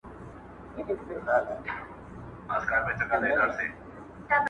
ناموسي دودونه اصل ستونزه ده ښکاره,